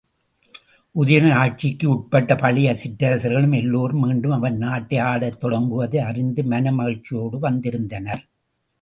உதயணன் ஆட்சிக்கு உட்பட்ட பழைய சிற்றரசர்கள் எல்லாரும், மீண்டும் அவன் நாட்டை ஆளத் தொடங்குவதை அறிந்து மனமகிழ்ச்சியோடு வந்திருந்தனர்.